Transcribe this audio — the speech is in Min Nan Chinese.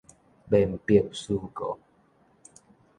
面壁思過